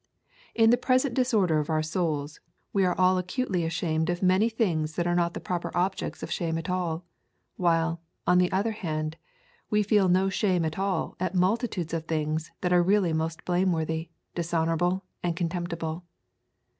In the present disorder of our souls, we are all acutely ashamed of many things that are not the proper objects of shame at all; while, on the other hand, we feel no shame at all at multitudes of things that are really most blameworthy, dishonourable, and contemptible.